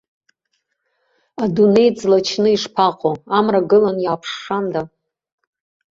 Адунеи ӡлачны ишԥаҟоу, амра гылан иааԥшшанда.